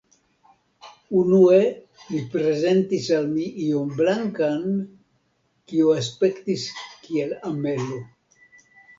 Unue li prezentis al mi ion blankan, kio aspektis kiel amelo.